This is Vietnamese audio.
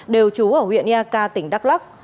đều trú ở huyện yaka tỉnh đắk lắk